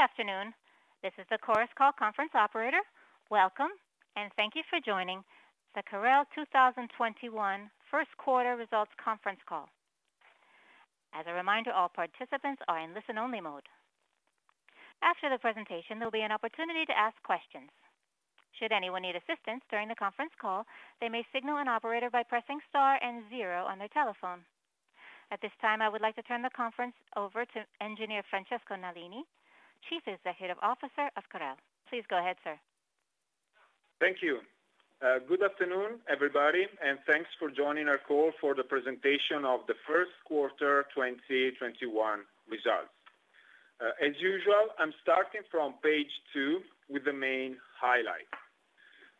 Good afternoon. This is the Chorus Call conference operator. Welcome, and thank you for joining the Carel 2021 first quarter results conference call. As a reminder, all participants are in listen-only mode. After the presentation, there'll be an opportunity to ask questions. Should anyone need assistance during the conference call, they may signal an operator by pressing star and zero on their telephone. At this time, I would like to turn the conference over to Engineer Francesco Nalini, Chief Executive Officer of Carel. Please go ahead, sir. Thank you. Good afternoon, everybody, and thanks for joining our call for the presentation of the first quarter 2021 results. As usual, I'm starting from page two with the main highlights.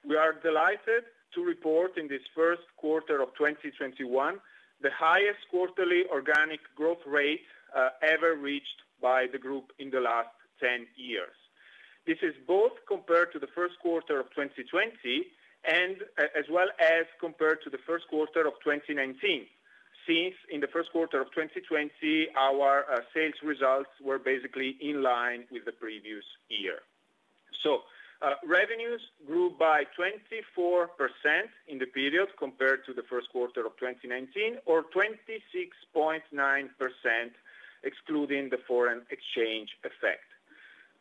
We are delighted to report in this first quarter of 2021, the highest quarterly organic growth rate ever reached by the group in the last 10 years. This is both compared to the first quarter of 2020, and as well as compared to the first quarter of 2019. Since in the first quarter of 2020, our sales results were basically in line with the previous year. Revenues grew by 24% in the period compared to the first quarter of 2019, or 26.9% excluding the foreign exchange effect.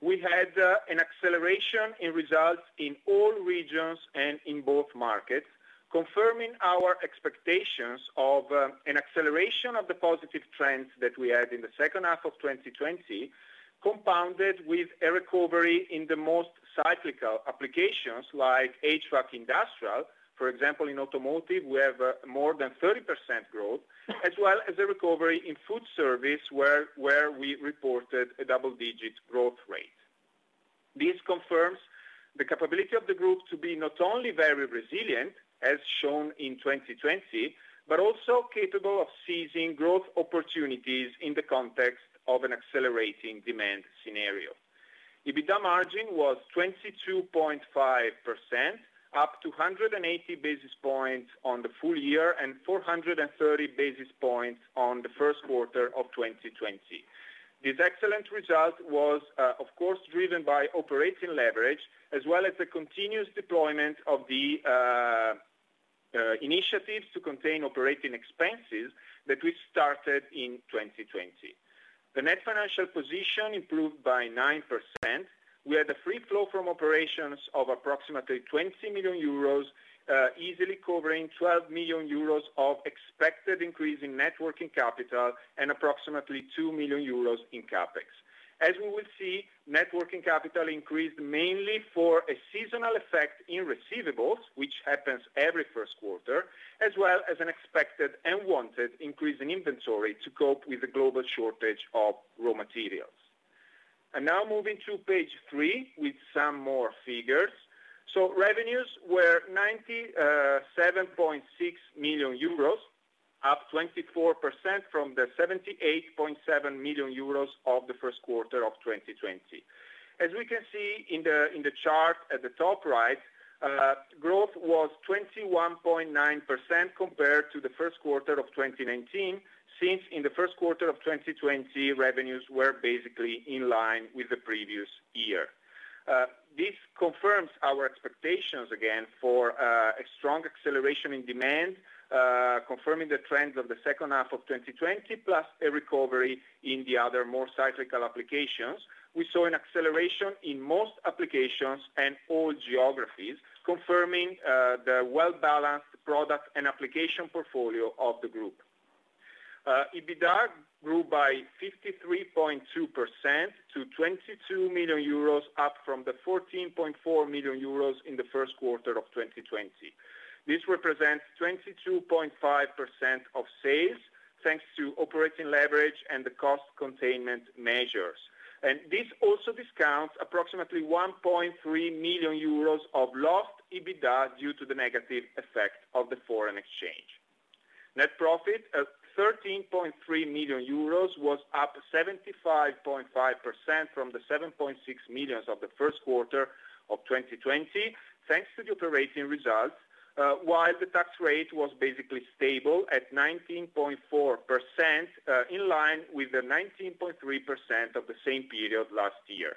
We had an acceleration in results in all regions and in both markets, confirming our expectations of an acceleration of the positive trends that we had in the second half of 2020, compounded with a recovery in the most cyclical applications like HVAC industrial. For example, in automotive, we have more than 30% growth, as well as a recovery in food service, where we reported a double-digit growth rate. This confirms the capability of the group to be not only very resilient, as shown in 2020, but also capable of seizing growth opportunities in the context of an accelerating demand scenario. EBITDA margin was 22.5%, up 280 basis points on the full year and 430 basis points on the first quarter of 2020. This excellent result was, of course, driven by operating leverage as well as the continuous deployment of the initiatives to contain operating expenses that we started in 2020. The net financial position improved by 9%, where the free flow from operations of approximately 20 million euros, easily covering 12 million euros of expected increase in net working capital and approximately 2 million euros in CapEx. As we will see, net working capital increased mainly for a seasonal effect in receivables, which happens every first quarter, as well as an expected and wanted increase in inventory to cope with the global shortage of raw materials. Now moving to page three with some more figures. Revenues were 97.6 million euros, up 24% from the 78.7 million euros of the first quarter of 2020. As we can see in the chart at the top right, growth was 21.9% compared to the first quarter of 2019, since in the first quarter of 2020, revenues were basically in line with the previous year. This confirms our expectations again for a strong acceleration in demand, confirming the trends of the second half of 2020, plus a recovery in the other more cyclical applications. We saw an acceleration in most applications and all geographies, confirming the well-balanced product and application portfolio of the group. EBITDA grew by 53.2% to 22 million euros, up from the 14.4 million euros in the first quarter of 2020. This represents 22.5% of sales thanks to operating leverage and the cost containment measures. This also discounts approximately 1.3 million euros of lost EBITDA due to the negative effect of the foreign exchange. Net profit at 13.3 million euros was up 75.5% from the 7.6 million of the first quarter of 2020, thanks to the operating results, while the tax rate was basically stable at 19.4%, in line with the 19.3% of the same period last year.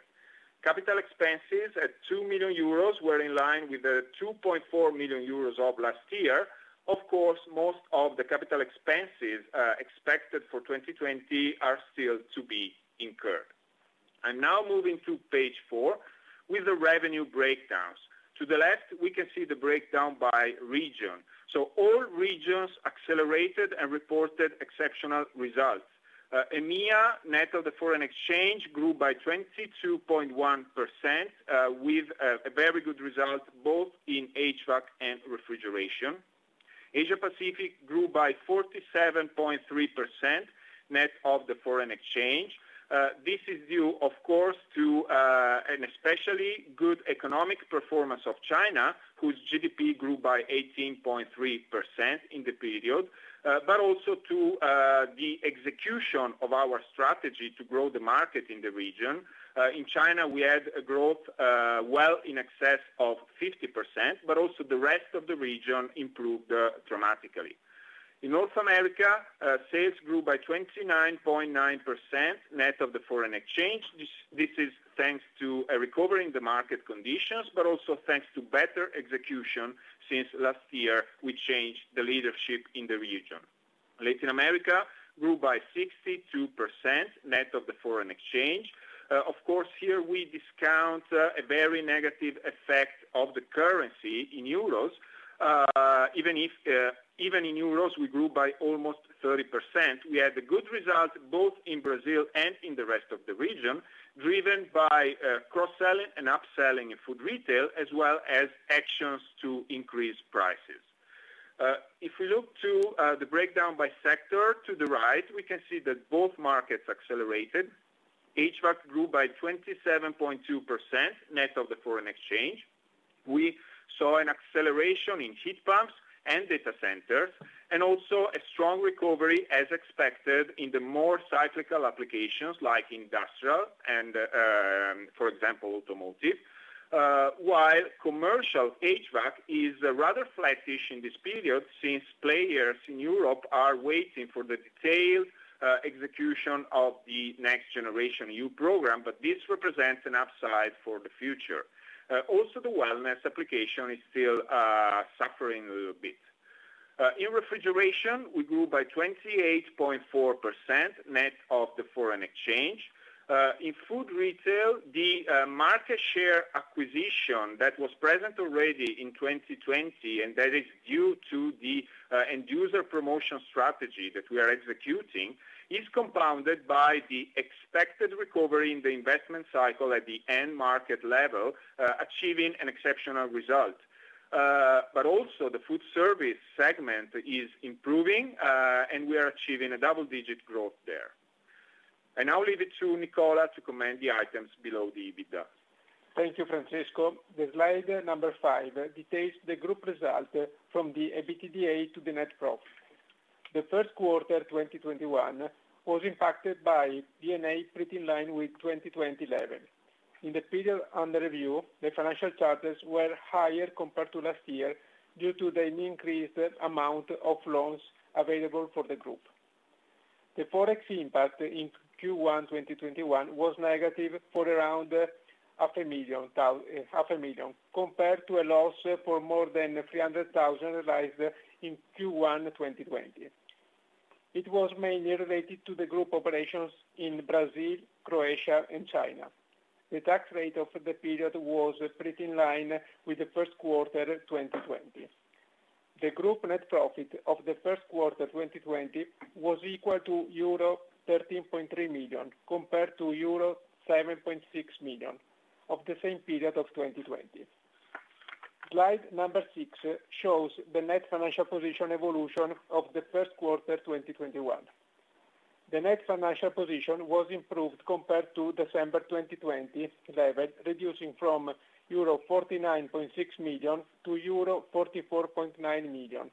Capital expenses at 2 million euros were in line with the 2.4 million euros of last year. Of course, most of the capital expenses expected for 2020 are still to be incurred. I'm now moving to page four with the revenue breakdowns. To the left, we can see the breakdown by region. All regions accelerated and reported exceptional results. EMEA, net of the foreign exchange, grew by 22.1% with a very good result both in HVAC and refrigeration. Asia-Pacific grew by 47.3% net of the foreign exchange. This is due, of course, to an especially good economic performance of China, whose GDP grew by 18.3% in the period, also to the execution of our strategy to grow the market in the region. In China, we had a growth well in excess of 50%, also the rest of the region improved dramatically. In North America, sales grew by 29.9%, net of the foreign exchange. This is thanks to a recovery in the market conditions, also thanks to better execution since last year we changed the leadership in the region. Latin America grew by 62%, net of the foreign exchange. Of course, here we discount a very negative effect of the currency in EUR. Even in EUR, we grew by almost 30%. We had a good result both in Brazil and in the rest of the region, driven by cross-selling and upselling in food retail, as well as actions to increase prices. If we look to the breakdown by sector to the right, we can see that both markets accelerated. HVAC grew by 27.2%, net of the foreign exchange. We saw an acceleration in heat pumps and data centers, and also a strong recovery, as expected, in the more cyclical applications like industrial and, for example, automotive. While commercial HVAC is rather flat-ish in this period since players in Europe are waiting for the detailed execution of the Next Generation EU program, but this represents an upside for the future. Also, the wellness application is still suffering a little bit. In refrigeration, we grew by 28.4%, net of the foreign exchange. In food retail, the market share acquisition that was present already in 2020, and that is due to the end user promotion strategy that we are executing, is compounded by the expected recovery in the investment cycle at the end market level, achieving an exceptional result. Also, the food service segment is improving, and we are achieving a double-digit growth there. I now leave it to Nicola to comment the items below the EBITDA. Thank you, Francesco. Slide number five details the group result from the EBITDA to the net profit. The first quarter 2021 was impacted by D&A pretty in line with 2020 level. In the period under review, the financial charges were higher compared to last year due to the increased amount of loans available for the group. The Forex impact in Q1 2021 was negative for around 500,000, compared to a loss for more than 300,000 realized in Q1 2020. It was mainly related to the group operations in Brazil, Croatia, and China. The tax rate of the period was pretty in line with the first quarter 2020. The group net profit of the first quarter 2020 was equal to euro 13.3 million, compared to euro 7.6 million of the same period of 2020. Slide number six shows the net financial position evolution of the first quarter 2021. The net financial position was improved compared to December 2020 level, reducing from 49.6 million-44.9 million euro.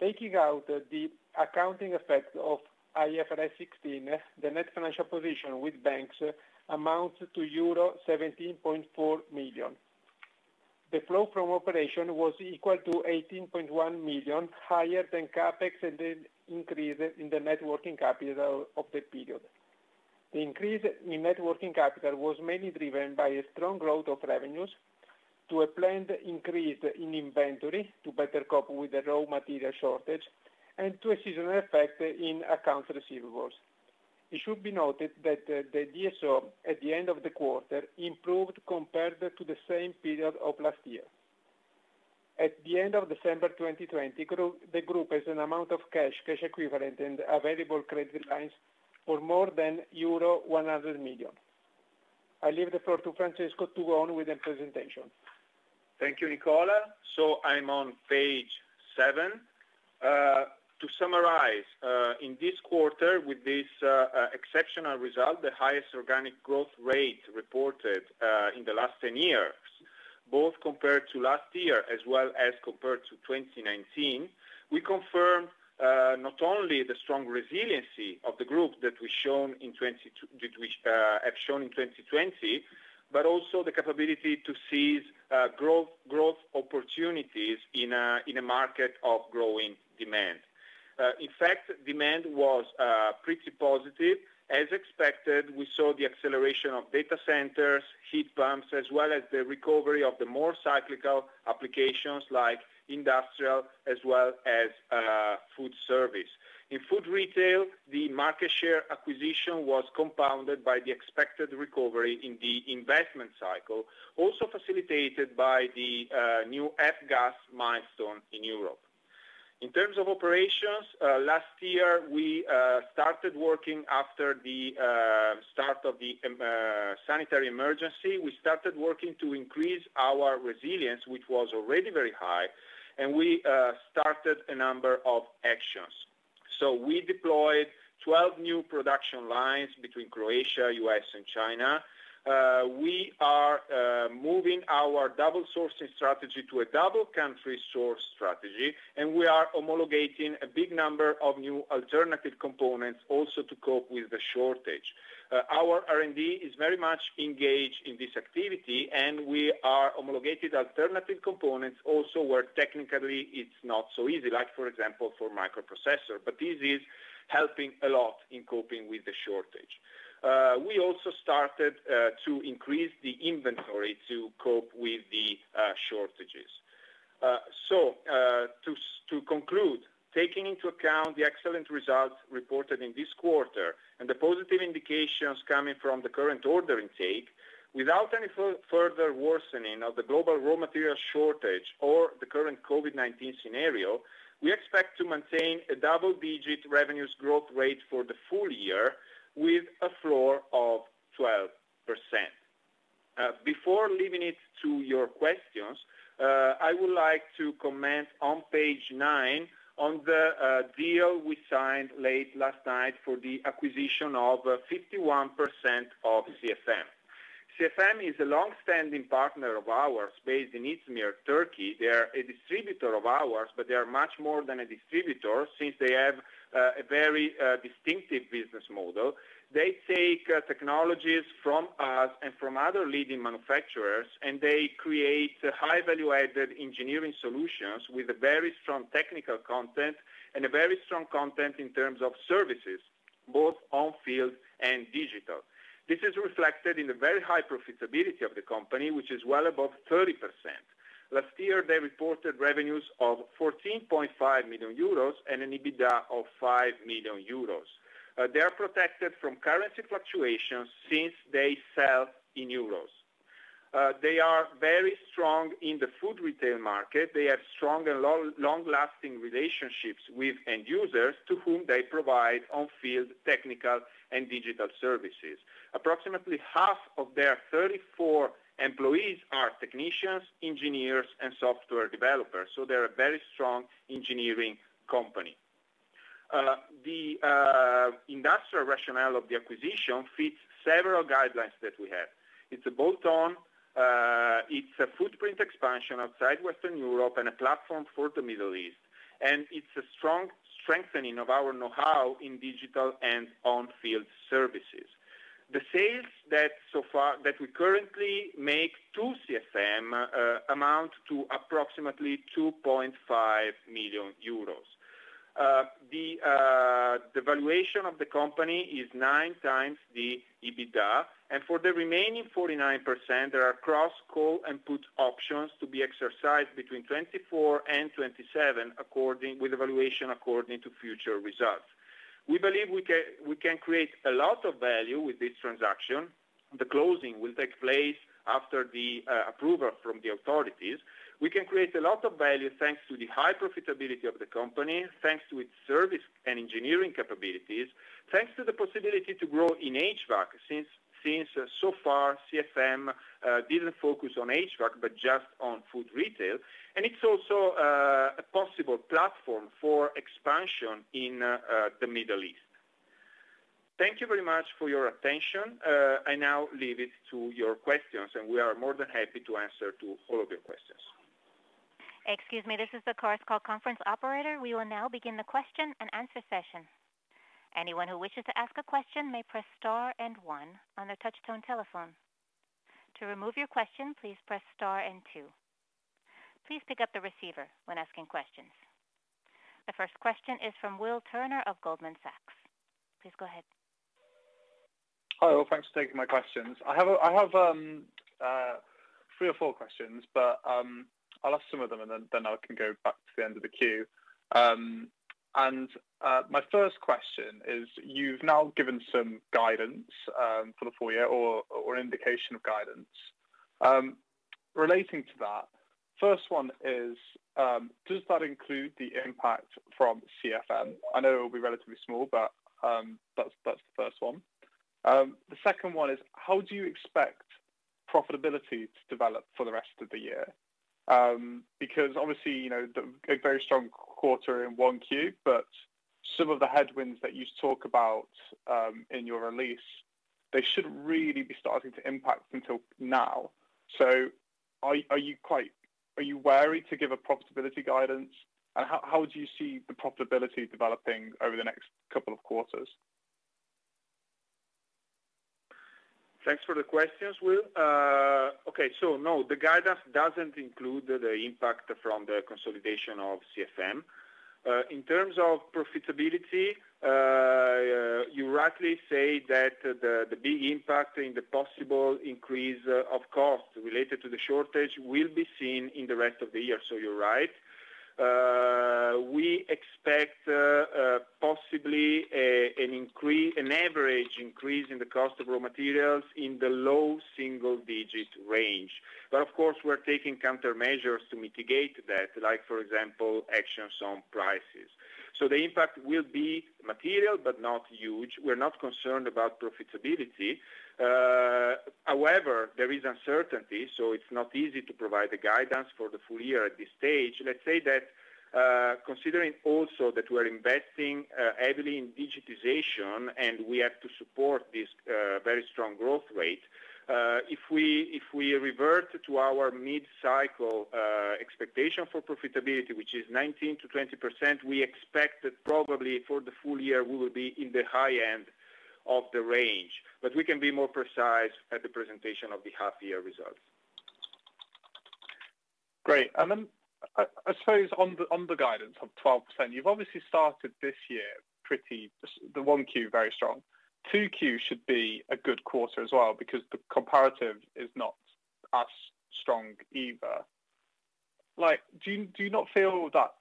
Taking out the accounting effect of IFRS 16, the net financial position with banks amounts to euro 17.4 million. The flow from operation was equal to 18.1 million, higher than CapEx and the increase in the net working capital of the period. The increase in net working capital was mainly driven by a strong growth of revenues to a planned increase in inventory to better cope with the raw material shortage and to a seasonal effect in accounts receivables. It should be noted that the DSO at the end of the quarter improved compared to the same period of last year. At the end of December 2020, the group has an amount of cash equivalent, and available credit lines for more than euro 100 million. I leave the floor to Francesco to go on with the presentation. Thank you, Nicola. I'm on page seven. To summarize, in this quarter, with this exceptional result, the highest organic growth rate reported in the last 10 years, both compared to last year as well as compared to 2019, we confirm not only the strong resiliency of the group that we have shown in 2020, but also the capability to seize growth opportunities in a market of growing demand. In fact, demand was pretty positive. As expected, we saw the acceleration of data centers, heat pumps, as well as the recovery of the more cyclical applications like industrial as well as food service. In food retail, the market share acquisition was compounded by the expected recovery in the investment cycle, also facilitated by the new F-Gas milestone in Europe. In terms of operations, last year, we started working after the start of the sanitary emergency. We started working to increase our resilience, which was already very high, and we started a number of actions. We deployed 12 new production lines between Croatia, U.S., and China. We are moving our double sourcing strategy to a double country source strategy, and we are homologating a big number of new alternative components also to cope with the shortage. Our R&D is very much engaged in this activity, and we are homologating alternative components also where technically it's not so easy, like, for example, for microprocessor. This is helping a lot in coping with the shortage. We also started to increase the inventory to cope with the shortages. To conclude, taking into account the excellent results reported in this quarter and the positive indications coming from the current order intake, without any further worsening of the global raw material shortage or the current COVID-19 scenario, we expect to maintain a double-digit revenues growth rate for the full year with a floor of 12%. Before leaving it to your questions, I would like to comment on page nine on the deal we signed late last night for the acquisition of 51% of CFM. CFM is a longstanding partner of ours based in Izmir, Turkey. They are a distributor of ours, but they are much more than a distributor, since they have a very distinctive business model. They take technologies from us and from other leading manufacturers, and they create high value-added engineering solutions with a very strong technical content and a very strong content in terms of services, both on-field and digital. This is reflected in the very high profitability of the company, which is well above 30%. Last year, they reported revenues of 14.5 million euros and an EBITDA of 5 million euros. They are protected from currency fluctuations since they sell in euros. They are very strong in the food retail market. They have strong and long-lasting relationships with end users to whom they provide on-field technical and digital services. Approximately half of their 34 employees are technicians, engineers, and software developers, so they're a very strong engineering company. The industrial rationale of the acquisition fits several guidelines that we have. It's a bolt-on, it's a footprint expansion outside Western Europe, and a platform for the Middle East, and it's a strengthening of our knowhow in digital and on-field services. The sales that we currently make to CFM amount to approximately 2.5 million euros. The valuation of the company is nine times the EBITDA, and for the remaining 49%, there are cross call and put options to be exercised between 2024 and 2027, with evaluation according to future results. We believe we can create a lot of value with this transaction. The closing will take place after the approval from the authorities. We can create a lot of value thanks to the high profitability of the company, thanks to its service and engineering capabilities, thanks to the possibility to grow in HVAC, since so far CFM didn't focus on HVAC, but just on food retail, and it's also a possible platform for expansion in the Middle East. Thank you very much for your attention. I now leave it to your questions, and we are more than happy to answer to all of your questions. Excuse me, this is the CAREL's call conference operator. We will now begin the question and answer session. Anyone who wishes to ask a question may press star and one on their touchtone telephone. To remove your question, please press star and two. Please pick up the receiver when asking questions. The first question is from Will Turner of Goldman Sachs. Please go ahead. Hi, Will. Thanks for taking my questions. I have three or four questions. I'll ask some of them. I can go back to the end of the queue. My first question is, you've now given some guidance for the full year or indication of guidance. Relating to that, first one is, does that include the impact from CFM? I know it will be relatively small. That's the first one. The second one is, how do you expect profitability to develop for the rest of the year? Obviously, a very strong quarter in one Q. Some of the headwinds that you talk about in your release, they shouldn't really be starting to impact until now. Are you wary to give a profitability guidance? How do you see the profitability developing over the next couple of quarters? Thanks for the questions, Will. Okay, no, the guidance doesn't include the impact from the consolidation of CFM. In terms of profitability, you rightly say that the big impact in the possible increase of cost related to the shortage will be seen in the rest of the year, you're right. We expect possibly an average increase in the cost of raw materials in the low single-digit range. Of course, we're taking countermeasures to mitigate that, like for example, actions on prices. The impact will be material but not huge. We're not concerned about profitability. However, there is uncertainty, it's not easy to provide the guidance for the full year at this stage. Let's say that considering also that we're investing heavily in digitization and we have to support this very strong growth rate, if we revert to our mid-cycle expectation for profitability, which is 19%-20%, we expect that probably for the full year, we will be in the high end of the range. We can be more precise at the presentation of the half year results. Great. I suppose on the guidance of 12%, you've obviously started this year. The 1Q, very strong. 2Q should be a good quarter as well, because the comparative is not as strong either. Do you not feel that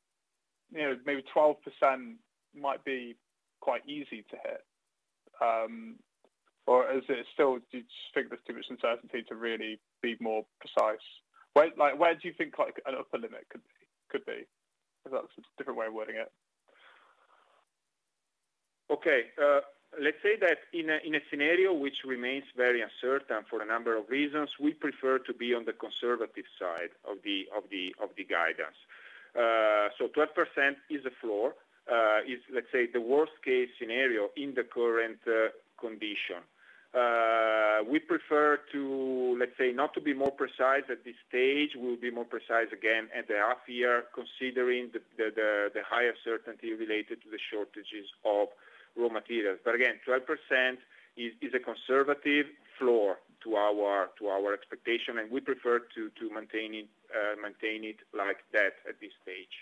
maybe 12% might be quite easy to hit? Is it still, do you think there's too much uncertainty to really be more precise? Where do you think an upper limit could be? If that's a different way of wording it. Okay. Let's say that in a scenario which remains very uncertain for a number of reasons, we prefer to be on the conservative side of the guidance. 12% is the floor, is the worst case scenario in the current condition. We prefer not to be more precise at this stage. We'll be more precise again at the half year considering the higher certainty related to the shortages of raw materials. Again, 12% is a conservative floor to our expectation, and we prefer to maintain it like that at this stage.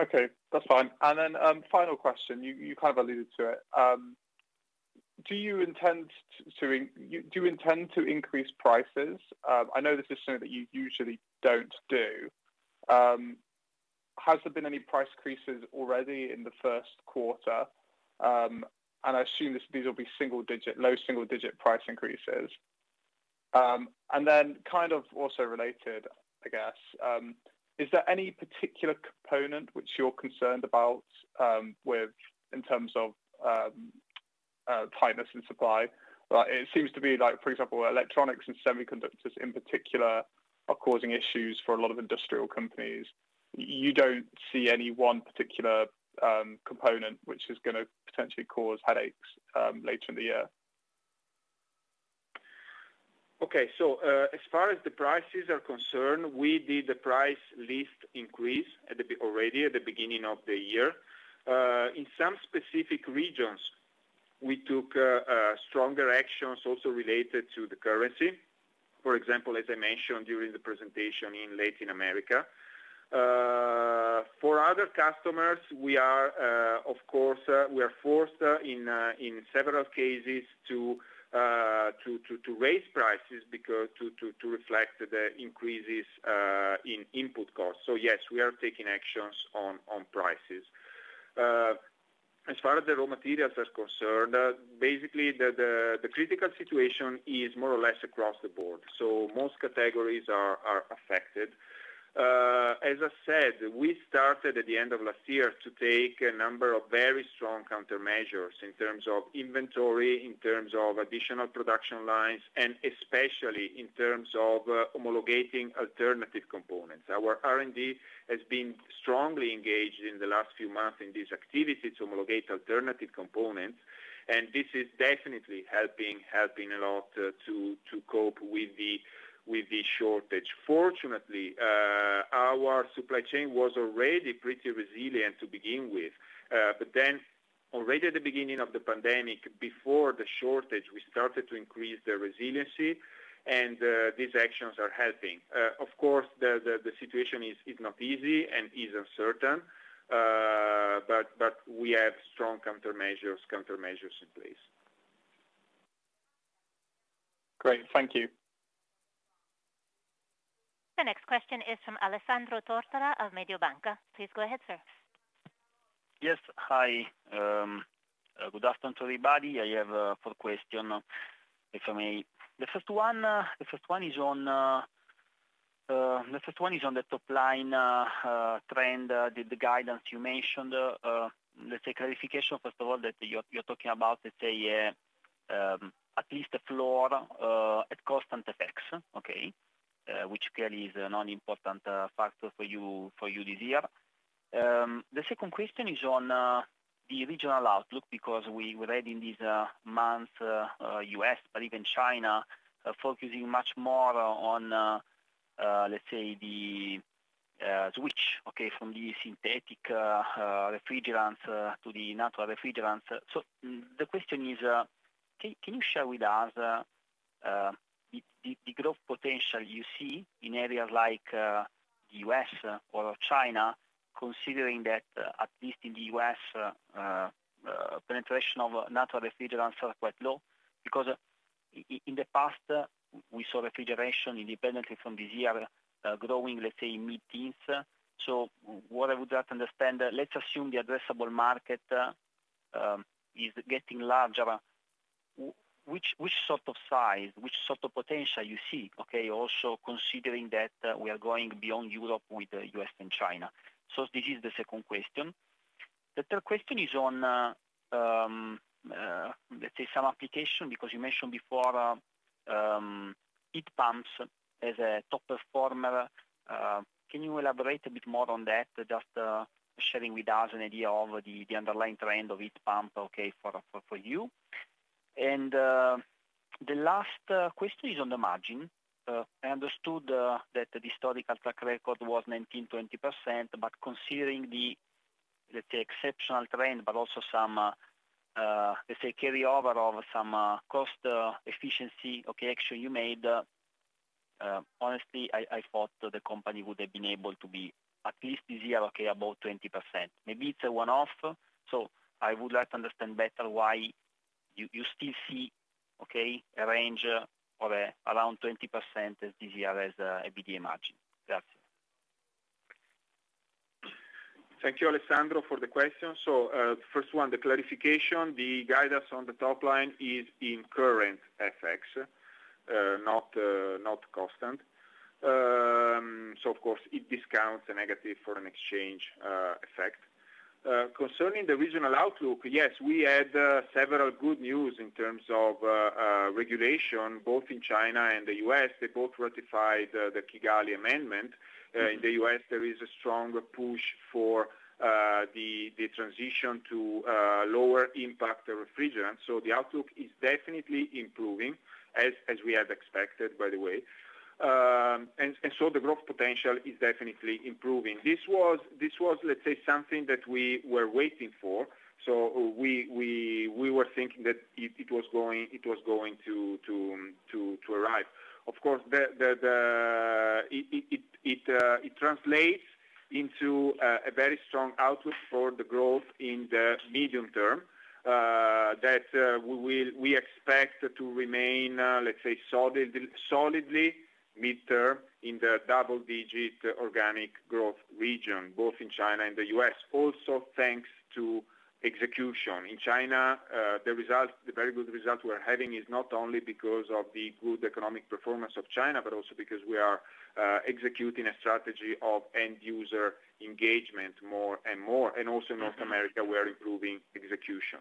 Okay, that's fine. Final question, you kind of alluded to it. Do you intend to increase prices? I know this is something that you usually don't do. Has there been any price increases already in the first quarter? I assume these will be low single digit price increases. Kind of also related, I guess. Is there any particular component which you're concerned about in terms of tightness in supply? It seems to be, for example, electronics and semiconductors in particular are causing issues for a lot of industrial companies. You don't see any one particular component which is going to potentially cause headaches later in the year? Okay. As far as the prices are concerned, we did the price list increase already at the beginning of the year. In some specific regions, we took stronger actions also related to the currency. For example, as I mentioned during the presentation in Latin America. For other customers, we are forced in several cases to raise prices to reflect the increases in input costs. Yes, we are taking actions on prices. As far as the raw materials are concerned, basically the critical situation is more or less across the board. Most categories are affected. As I said, we started at the end of last year to take a number of very strong countermeasures in terms of inventory, in terms of additional production lines, and especially in terms of homologating alternative components. Our R&D has been strongly engaged in the last few months in these activities to homologate alternative components, and this is definitely helping a lot to cope with the shortage. Fortunately, our supply chain was already pretty resilient to begin with. Already at the beginning of the pandemic, before the shortage, we started to increase the resiliency, and these actions are helping. Of course, the situation is not easy and is uncertain, but we have strong countermeasures in place. Great. Thank you. The next question is from Alessandro Tortora of Mediobanca. Please go ahead, sir. Yes. Hi. Good afternoon, everybody. I have four question, if I may. The first one is on the top line trend. The guidance you mentioned, let's say clarification, first of all, that you're talking about, let's say, at least the floor at constant FX, okay? Which clearly is a non-important factor for you this year. The second question is on the regional outlook, because we read in this month, U.S., but even China, focusing much more on, let's say, the switch, okay, from the synthetic refrigerants to the natural refrigerants. The question is, can you share with us, the growth potential you see in areas like the U.S. or China, considering that at least in the U.S., penetration of natural refrigerants are quite low? In the past, we saw refrigeration independently from this year, growing, let's say, mid-teens. What I would like to understand, let's assume the addressable market is getting larger. Which sort of size, which sort of potential you see, okay? Also considering that we are going beyond Europe with the U.S. and China. This is the second question. The third question is on, let's say some application, because you mentioned before heat pumps as a top performer. Can you elaborate a bit more on that? Just sharing with us an idea of the underlying trend of heat pump, okay, for you. The last question is on the margin. I understood that the historical track record was 19%-20%, but considering the Let's say exceptional trend, but also some, let's say, carryover of some cost efficiency action you made. Honestly, I thought that the company would have been able to be at least this year, about 20%. Maybe it's a one-off. I would like to understand better why you still see a range of around 20% this year as EBITDA margin. That's it. Thank you, Alessandro, for the question. First one, the clarification, the guidance on the top line is in current FX, not constant. Of course, it discounts a negative foreign exchange effect. Concerning the regional outlook, yes, we had several good news in terms of regulation, both in China and the U.S. They both ratified the Kigali Amendment. In the U.S., there is a strong push for the transition to lower impact refrigerants. The outlook is definitely improving, as we had expected, by the way. The growth potential is definitely improving. This was, let's say, something that we were waiting for. We were thinking that it was going to arrive. Of course, it translates into a very strong outlook for the growth in the medium term, that we expect to remain, let's say, solidly midterm, in the double-digit organic growth region, both in China and the U.S. Also, thanks to execution. In China, the very good result we're having is not only because of the good economic performance of China, but also because we are executing a strategy of end user engagement more and more, and also in North America, we are improving execution.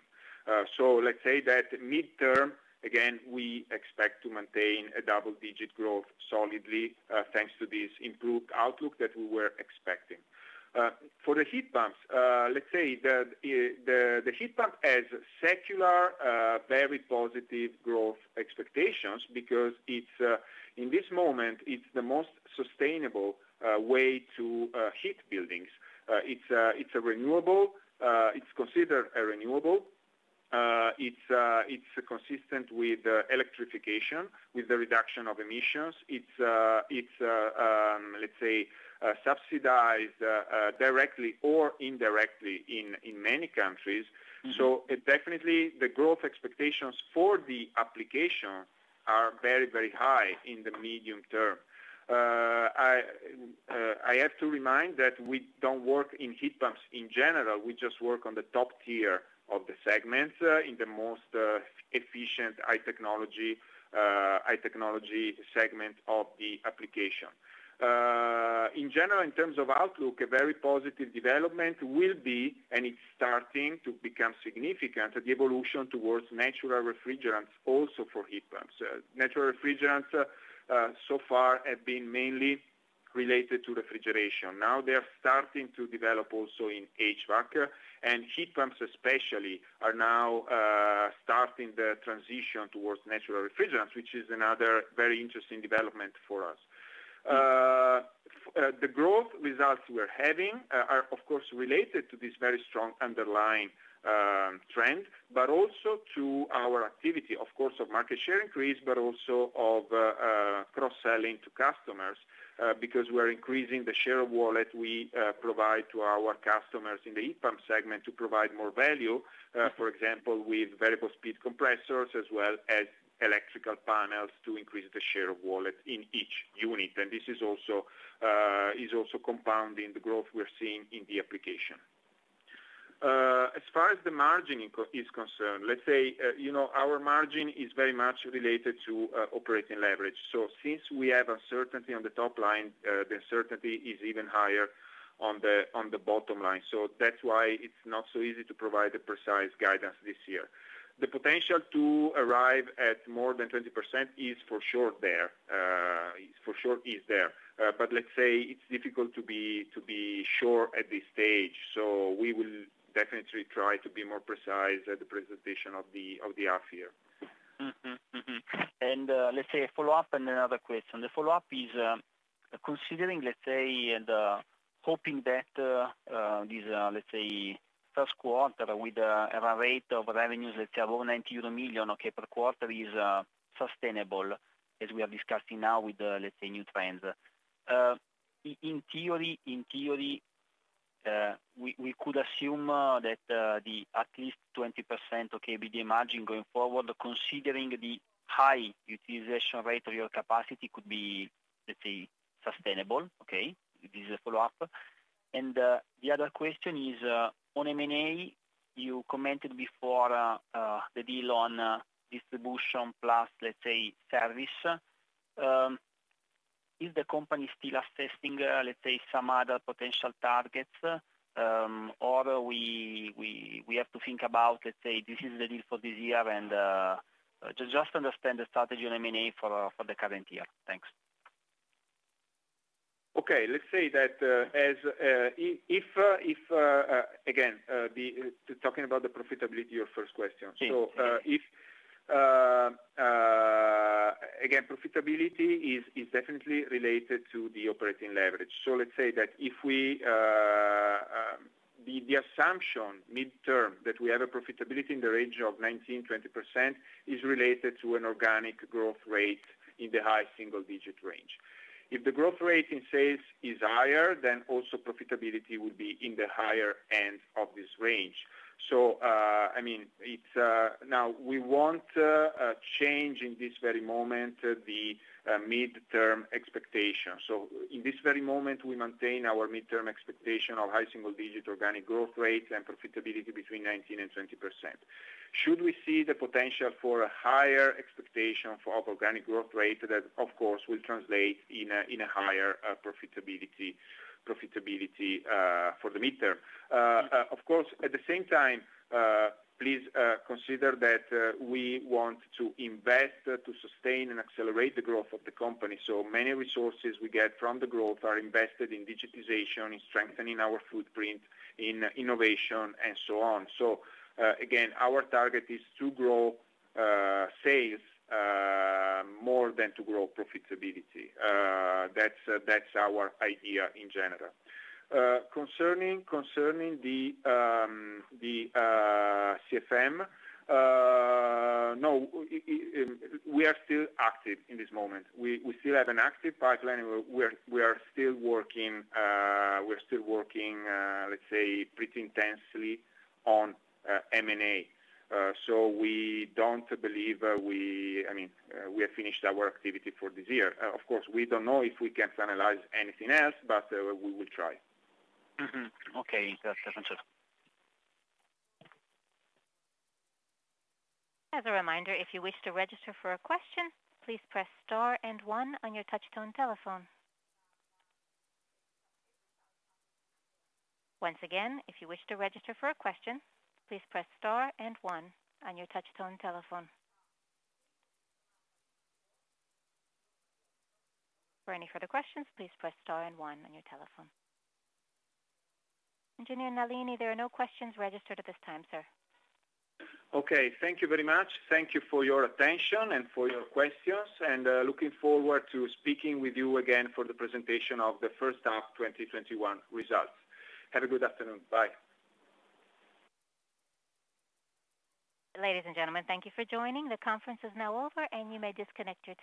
Let's say that midterm, again, we expect to maintain a double-digit growth solidly, thanks to this improved outlook that we were expecting. For the heat pumps, let's say, the heat pump has secular, very positive growth expectations because, in this moment, it's the most sustainable way to heat buildings. It's considered a renewable. It's consistent with electrification, with the reduction of emissions. It's, let's say, subsidized directly or indirectly in many countries. Definitely the growth expectations for the application are very high in the medium term. I have to remind that we don't work in heat pumps in general. We just work on the top tier of the segments, in the most efficient high technology segment of the application. In general, in terms of outlook, a very positive development will be, and it's starting to become significant, the evolution towards natural refrigerants also for heat pumps. Natural refrigerants, so far, have been mainly related to refrigeration. Now they are starting to develop also in HVAC, and heat pumps especially are now starting the transition towards natural refrigerants, which is another very interesting development for us. The growth results we are having are, of course, related to this very strong underlying trend, but also to our activity, of course, of market share increase, but also of cross-selling to customers, because we are increasing the share of wallet we provide to our customers in the heat pump segment to provide more value. For example, with variable speed compressors as well as electrical panels to increase the share of wallet in each unit. This is also compounding the growth we're seeing in the application. As far as the margin is concerned, let's say, our margin is very much related to operating leverage. Since we have uncertainty on the top line, the uncertainty is even higher on the bottom line. That's why it's not so easy to provide a precise guidance this year. The potential to arrive at more than 20% is for sure there, but let's say it's difficult to be sure at this stage. We will definitely try to be more precise at the presentation of the half year. Let's say a follow-up and another question. The follow-up is, considering, let's say, and hoping that these, let's say, first quarter with a run rate of revenues, let's say, above 90 million per quarter is sustainable, as we are discussing now with the, let's say, new trends. In theory, we could assume that at least 20% EBITDA margin going forward, considering the high utilization rate of your capacity, could be, let's say, sustainable. Okay? This is a follow-up. The other question is, on M&A, you commented before, the deal on distribution plus, let's say, service. Is the company still assessing, let's say, some other potential targets? We have to think about, let's say, this is the deal for this year, and just understand the strategy on M&A for the current year. Thanks. Okay. Let's say that, again, talking about the profitability, your first question. Yes. Profitability is definitely related to the operating leverage. Let's say that if the assumption midterm that we have a profitability in the range of 19%-20% is related to an organic growth rate in the high single-digit range. If the growth rate in sales is higher, also profitability would be in the higher end of this range. We won't change in this very moment the midterm expectation. In this very moment, we maintain our midterm expectation of high single-digit organic growth rate and profitability between 19% and 20%. Should we see the potential for a higher expectation for our organic growth rate, that of course will translate in a higher profitability for the midterm. Of course, at the same time, please consider that we want to invest to sustain and accelerate the growth of the company. Many resources we get from the growth are invested in digitization, in strengthening our footprint, in innovation, and so on. Again, our target is to grow sales more than to grow profitability. That's our idea in general. Concerning the CFM, we are still active in this moment. We still have an active pipeline. We are still working, let's say, pretty intensely on M&A. We don't believe we have finished our activity for this year. Of course, we don't know if we can finalize anything else, but we will try. Okay. That's answered. Engineer Nalini, there are no questions registered at this time, sir. Okay. Thank you very much. Thank you for your attention and for your questions, and looking forward to speaking with you again for the presentation of the first half 2021 results. Have a good afternoon. Bye. Ladies and gentlemen, thank you for joining. The conference is now over. You may disconnect your telephones.